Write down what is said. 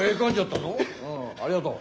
ありがとう。